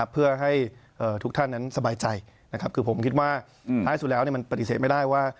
เพื่อให้ทุกท่านนั้นสบายใจนะครับคือผมคิดว่าท้ายสุดแล้วมันปฏิเสธไม่ได้ว่า